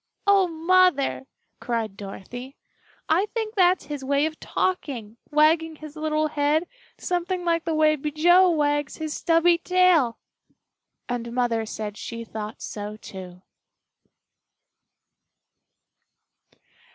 "Oh, Mother!" cried Dorothy, "I think that's his way of talking wagging his little head something like the way Bijou wags his stubby tail!" And Mother said she thought so, too.